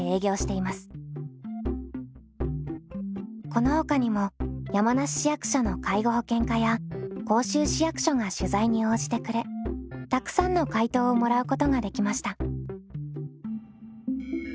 このほかにも山梨市役所の介護保険課や甲州市役所が取材に応じてくれたくさんの回答をもらうことができました。